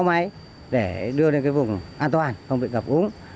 kéo máy để đưa lên vùng an toàn không bị gặp úng